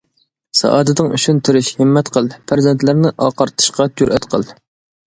سائادىتىڭ ئۈچۈن تىرىش، ھىممەت قىل، پەرزەنتلەرنى ئاقارتىشقا جۈرئەت قىل.